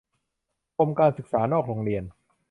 กรมการศึกษานอกโรงเรียน